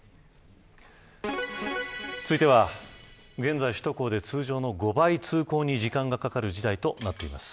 続いては現在首都高で通常の５倍、通行に時間がかかる事態となってます。